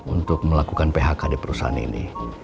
untuk melakukan phk di perusahaan ini